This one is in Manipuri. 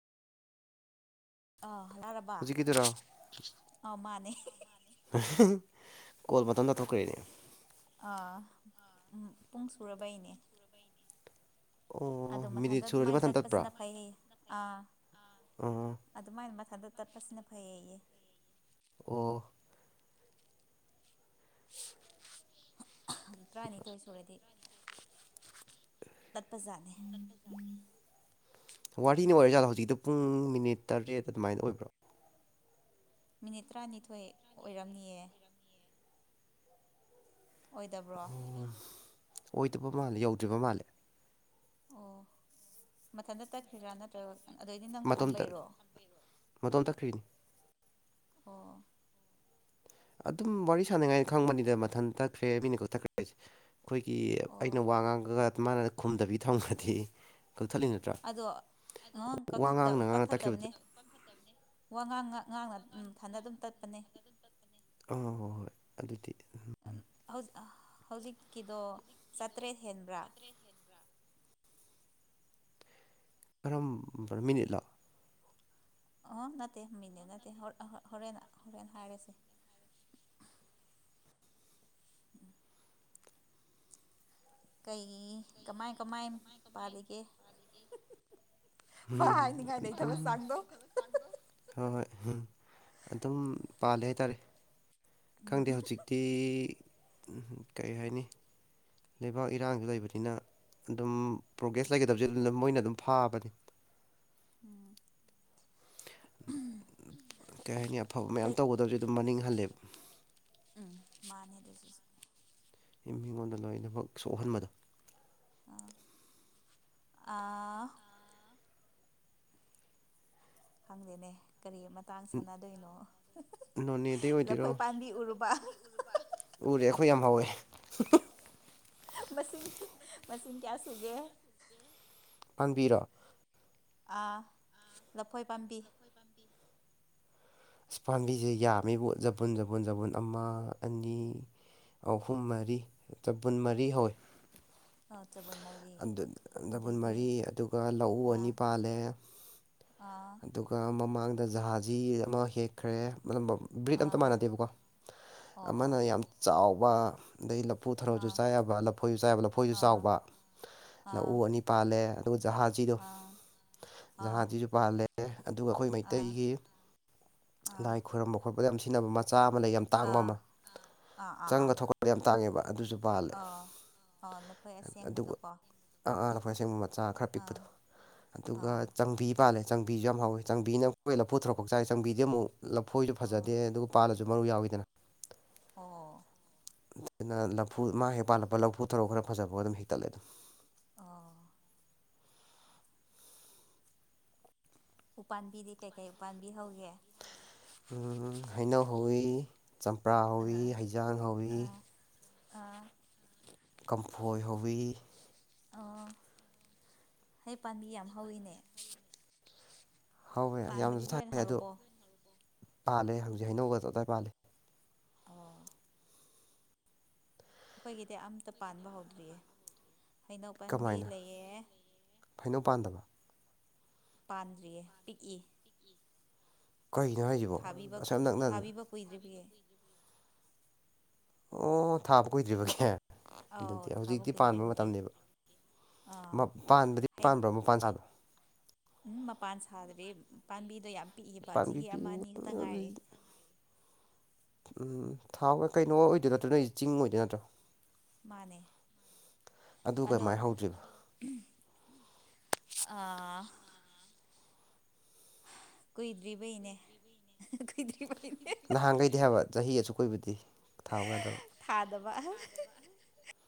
ꯑꯥ ꯍꯜꯂꯛꯑꯔꯕ ꯍꯧꯖꯤꯛ ꯀꯗꯔꯣ ꯑꯥ ꯃꯥꯅꯦ ꯀꯣꯜ ꯃꯇꯝꯗ ꯊꯣꯛꯈ꯭ꯔꯦꯅꯦ ꯄꯨꯡ ꯁꯨꯔꯕꯩꯅꯦ ꯑꯣ ꯑꯗꯨ ꯃꯤꯅꯤꯠ ꯃꯊꯟꯇ ꯁꯨꯔꯗꯤ ꯑꯗꯨꯃꯥꯏꯅ ꯃꯊꯟ ꯇꯠꯄ꯭ꯔꯥ ꯇꯠꯄꯁꯤꯅ ꯐꯩꯌꯦ ꯑꯥ ꯑꯥ ꯑꯗꯨꯃꯥꯏꯅ ꯊꯟꯗ ꯇꯠꯄꯁꯤꯅ ꯐꯩꯌꯦꯌꯦ ꯑꯣ ꯇꯔꯥꯅꯤꯊꯣꯏ ꯁꯨꯔꯗꯤ ꯇꯠꯄꯖꯥꯠꯂꯦ ꯋꯥꯔꯤꯅꯤ ꯑꯣꯏꯔꯦ ꯖꯥꯠꯂꯣ ꯍꯧꯖꯤꯛꯇ ꯄꯨꯡ ꯃꯤꯅꯤꯠ ꯇꯔꯦꯠ ꯑꯗꯨꯃꯥꯏꯅ ꯑꯣꯏꯕ꯭ꯔꯣ ꯃꯤꯅꯤꯠ ꯇꯔꯥꯅꯤꯊꯣꯏ ꯑꯣꯏꯔꯝꯅꯤꯑ ꯑꯣꯏꯗꯕ꯭ꯔꯣ ꯑꯣꯏꯗꯕ ꯃꯥꯜꯂꯦ ꯌꯧꯗ꯭ꯔꯤꯕ ꯃꯥꯜꯂꯦ ꯑꯣ ꯃꯊꯟꯇ ꯇꯛꯈꯗ꯭ꯔꯥ ꯅꯠꯇ꯭ꯔꯒ ꯑꯗꯩꯗꯤ ꯅꯪ ꯃꯇꯣꯝꯇ ꯊꯝꯕꯩꯔꯣ ꯃꯇꯣꯝ ꯇꯛꯈ꯭ꯔꯤꯅꯤ ꯑꯣ ꯑꯗꯨꯝ ꯋꯥꯔꯤ ꯁꯥꯟꯅꯉꯥꯏ ꯈꯪꯕꯅꯤꯗ ꯃꯊꯟ ꯇꯛꯈ꯭ꯔꯦ ꯃꯤꯅ ꯀꯊꯛꯈ꯭ꯔꯦ ꯍꯥꯏꯁꯦ ꯑꯩꯈꯣꯏꯒꯤ ꯑꯣ ꯑꯩꯅ ꯋꯥ ꯉꯥꯡꯉꯒ ꯃꯥꯅ ꯈꯨꯝꯗꯕꯤ ꯊꯝꯒꯗꯤ ꯑꯗꯣ ꯀꯛ ꯋꯥ ꯉꯥꯡꯅ ꯉꯥꯡꯅ ꯇꯥꯛꯈꯤꯕꯗꯨ ꯀꯛꯈꯠꯇꯕꯅꯦ ꯋꯥ ꯉꯥꯡ ꯉꯥꯡꯅ ꯐꯅ ꯑꯗꯨꯝ ꯇꯠꯄꯅꯦ ꯑ ꯍꯣꯏ ꯍꯣꯏ ꯑꯗꯨꯗꯤ ꯍꯧꯖꯤꯛꯀꯤꯗꯣ ꯆꯥꯇ꯭ꯔꯦꯠ ꯍꯦꯟꯕ꯭ꯔꯥ ꯀꯔꯝꯕ ꯃꯤꯅꯤꯠ ꯂꯣ ꯑ ꯅꯠꯇꯦ ꯃꯤꯅꯦ ꯅꯠꯇꯦ ꯍꯣꯔꯦꯟ ꯍꯣꯔꯦꯟ ꯍꯥꯏꯔꯁꯦ [inaudible] ꯀꯩ ꯀꯃꯥꯏ ꯀꯃꯥꯏ ꯄꯥꯜꯂꯤꯒꯦ ꯚ ꯎꯝ ꯍꯥꯏꯅꯤꯡꯉꯥꯏ ꯑꯗꯨꯝ ꯂꯩꯇꯕ ꯆꯥꯡꯗꯣ ꯎꯝ ꯑꯗꯨꯝ ꯄꯥꯜꯂꯦ ꯍꯥꯏꯇꯥꯔꯦ ꯎꯝ ꯈꯪꯗꯦ ꯍꯧꯖꯤꯛꯇꯤ ꯀꯩ ꯍꯥꯏꯅꯤ ꯂꯩꯕꯥꯛ ꯏꯔꯥꯡꯁꯨ ꯂꯩꯕꯅꯤꯅ ꯑꯗꯨꯝ ꯄ꯭ꯔꯣꯒ꯭ꯔꯦꯁ ꯂꯩꯒꯗꯕꯁꯦ ꯑꯗꯨ ꯃꯣꯏꯅ ꯑꯗꯨꯝ ꯐꯥꯕꯅꯤ ꯎꯝ ꯀꯩ ꯍꯥꯏꯅꯤ ꯑꯐꯕ ꯃꯌꯥꯝ ꯀꯩ ꯇꯧꯒꯗꯕꯁꯦ ꯑꯗꯨꯝ ꯃꯅꯤꯡꯍꯜꯂꯦꯕ ꯎꯝ ꯃꯥꯅꯦꯗꯁꯨ ꯃꯤꯉꯣꯟꯗ ꯂꯣꯏꯅꯃꯛ ꯁꯣꯛꯍꯟꯕꯗꯣ ꯑ ꯈꯪꯗꯦꯅꯦ ꯀꯔꯤ ꯃꯇꯥꯡ ꯁꯥꯟꯅꯗꯣꯏꯅꯣ ꯅꯣꯅꯦꯗꯩ ꯑꯣꯏꯗꯣꯏꯔꯣ ꯂꯐꯣꯏ ꯄꯥꯝꯕꯤ ꯎꯔꯨꯕ ꯎꯔꯦ ꯑꯩꯈꯣꯏ ꯌꯥꯝ ꯍꯥꯎꯋꯦ ꯃꯁꯤꯡ ꯃꯁꯤꯡ ꯀꯌꯥ ꯁꯨꯒꯦ ꯈꯥꯟꯕꯤꯔꯣ ꯂꯐꯣꯏ ꯄꯥꯝꯕꯤ ꯑꯁ ꯄꯥꯝꯕꯤꯁꯦ ꯌꯥꯝꯃꯤꯕ ꯕꯨꯟ ꯖꯕꯨꯟ ꯕꯨꯟ ꯑꯃ ꯑꯅꯤ ꯑꯍꯨꯝ ꯃꯔꯤ ꯆꯄꯨꯟ ꯃꯔꯤ ꯍꯧꯋ ꯑ ꯆ ꯗꯕꯨꯟ ꯃꯔꯤ ꯑꯗꯨꯒ ꯂꯧꯎ ꯑꯥ ꯑꯅꯤ ꯄꯥꯜꯂꯦ ꯑꯥ ꯑꯗꯨꯒ ꯃꯃꯥꯡꯗ ꯖꯍꯥꯖꯤ ꯑꯃ ꯍꯦꯛꯈ꯭ꯔꯦ ꯃ ꯕ꯭ꯔꯤꯠ ꯑꯝꯇ ꯑꯥ ꯃꯥꯟꯅꯗꯦꯕꯀꯣ ꯑꯣ ꯑꯣ ꯑꯃꯅ ꯌꯥꯝ ꯆꯥꯎꯕ ꯑꯗꯩ ꯂꯐꯨ ꯊꯔꯣꯁꯨ ꯑꯥ ꯆꯥꯏꯕ ꯂꯐꯣꯏꯁꯨ ꯆꯥꯏꯕ ꯂꯐꯣꯏꯁꯨ ꯑꯥ ꯆꯥꯎꯕ ꯑꯥ ꯂꯎ ꯑꯅꯤ ꯄꯥꯜꯂꯦ ꯑꯗꯨꯒ ꯖꯍꯥꯖꯤꯗꯣ ꯑꯥ ꯑꯥ ꯖꯍꯥꯇꯤꯁꯨ ꯄꯥꯜꯂꯦ ꯑꯗꯨꯒ ꯑꯩꯈꯣꯏ ꯑꯥ ꯃꯩꯇꯩꯒꯤ ꯑꯥ ꯂꯥꯏ ꯈꯣꯏꯔꯝꯕ ꯈꯣꯠꯗ ꯌꯥꯝ ꯁꯤꯟꯅꯕ ꯃꯥ ꯆꯥ ꯑꯃꯅ ꯌꯥꯝ ꯇꯥꯡꯕ ꯑꯃ ꯑꯥ ꯑꯥ ꯑꯥ ꯑꯥ ꯆꯪꯒ ꯊꯣꯛꯀꯗ ꯌꯥꯝ ꯇꯥꯡꯉꯦꯕ ꯑꯗꯨꯁꯨ ꯄꯥꯜꯂꯦ ꯑꯥ ꯑꯥ ꯂꯐꯣꯏ ꯑꯗꯨꯒ ꯑꯁꯦꯡꯕꯗꯣꯀꯣ ꯑ ꯑꯥꯄ ꯑꯁꯦꯡꯕ ꯃꯇꯝ ꯆꯥ ꯈꯔ ꯑꯥ ꯄꯤꯛꯄꯗꯣ ꯑꯗꯨꯒ ꯑꯥ ꯆꯪꯕꯤ ꯄꯥꯜꯂꯦ ꯆꯥꯡꯕꯤꯁꯨ ꯌꯥꯝ ꯍꯥꯎꯋ ꯆꯕꯤꯅ ꯀꯣꯏꯅ ꯂ ꯄꯨꯊꯔꯛ ꯆꯥꯏꯦ ꯆꯪꯕꯤꯗꯤ ꯑꯃꯨꯛ ꯂꯐꯣꯏꯁꯨ ꯑꯣ ꯐꯖꯗꯦ ꯑꯗꯨꯒ ꯄꯥꯜꯂꯁꯨ ꯃꯔꯨ ꯌꯥꯎꯋꯤꯗꯅ ꯑꯣ ꯑꯗꯨꯅ ꯂꯐꯨ ꯃꯥ ꯍꯦꯛ ꯄꯥꯜꯂꯛꯄ ꯂꯐꯨ ꯊꯔꯛ ꯈꯔ ꯐꯖꯕ ꯑꯗꯨꯝ ꯍꯦꯛꯇꯠꯂꯦ ꯑꯗꯨꯝ ꯑꯣ ꯎꯄꯥꯝꯕꯤꯗꯤ ꯀꯩꯀꯩ ꯎꯄꯥꯝꯕꯤ ꯍꯧꯒꯦ ꯍꯩꯅꯧ ꯍꯧꯋꯤ ꯆꯝꯄ꯭ꯔꯥ ꯍꯧꯏꯤ ꯑꯥ ꯍꯩꯖꯥꯡ ꯍꯧꯏ ꯑꯥ ꯑꯥ ꯀꯝꯐꯣꯏ ꯍꯣꯕꯤꯤ ꯍꯩ ꯄꯥꯝꯕꯤ ꯌꯥꯝ ꯍꯧꯋꯤꯅꯦ ꯍ ꯍ ꯄꯥꯟꯕꯗꯤ ꯌꯥꯝꯅꯁꯨ ꯂꯣꯏꯅ ꯊꯥꯏꯦ ꯑꯗꯣ ꯍꯧꯔꯕꯣ ꯄꯥꯜꯂꯦ ꯍꯧꯖꯤꯛ ꯍꯩꯅꯧꯒꯗ ꯑꯗꯨꯗꯥꯏ ꯄꯥꯜꯜꯂꯤ ꯑꯣ ꯑꯩꯈꯣꯏꯒꯤꯗꯤ ꯑꯝꯇ ꯄꯥꯟꯕ ꯍꯧꯗ꯭ꯔꯤꯌꯦ ꯍꯩꯅꯧ ꯄꯥꯝꯕꯤ ꯂꯩꯌꯦ ꯐꯩꯅꯧ ꯄꯥꯟꯗꯕ ꯄꯥꯟꯗ꯭ꯔꯤꯌꯦ ꯄꯤꯛꯏ ꯀꯒꯤꯅꯣ ꯍꯥꯏꯁꯤꯕꯣ ꯊꯥꯕꯤꯕ ꯑꯁꯝ ꯅꯛꯅ ꯊꯥꯕꯤꯕ ꯀꯨꯏꯗ꯭ꯔꯤꯕꯒꯤ ꯑꯣ ꯊꯥꯕ ꯀꯨꯏꯗ꯭ꯔꯤꯕꯒꯦ ꯑꯧ ꯑꯗꯨꯗꯤ ꯊꯥꯕ ꯍꯧꯖꯤꯛꯇꯤ ꯄꯥꯟꯕ ꯀꯨꯏꯗ꯭ꯔꯤꯕꯒꯤ ꯃꯇꯝꯅꯦꯕ ꯑꯥ ꯄꯗꯤ ꯍꯩ ꯄꯥꯟꯚ꯭ꯔꯣ ꯃ ꯄꯥꯟ ꯁꯥꯗꯣ ꯎꯝ ꯃꯄꯥꯟ ꯁꯥꯗ꯭ꯔꯔꯤ ꯄꯥꯝꯕꯤꯗꯣ ꯌꯥꯝ ꯄꯤꯛꯏꯕ ꯄꯥꯟꯕꯤ ꯆꯍꯤ ꯄꯤ ꯑꯃ ꯑꯅꯤ ꯈꯛꯇ ꯉꯥꯏꯔ ꯎꯝ ꯊꯥꯎ ꯀꯩꯅꯣ ꯑꯣꯏꯗꯣꯏ ꯅꯠꯇ꯭ꯔꯣ ꯅꯣꯏꯁ ꯆꯤꯡ ꯑꯣꯏꯗꯣꯏ ꯅꯠꯇ꯭ꯔꯣ ꯃꯥꯅꯦ ꯑꯗꯨ ꯑꯗ ꯀꯃꯥꯏꯅ ꯍꯧꯗ꯭ꯔꯤꯕ ꯑꯥ ꯀꯨꯏꯗ꯭ꯔꯤꯕꯩꯅꯦ ꯀꯨꯏꯗ꯭ꯔꯤ ꯅꯍꯥꯟꯈꯩꯗꯤ ꯍꯥꯏꯕ ꯆꯍꯤ ꯑꯁꯨꯛ ꯀꯣꯏꯏꯕꯗꯤ ꯊꯥꯗꯕ